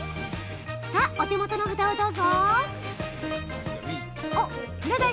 さあ、お手元の札をどうぞ！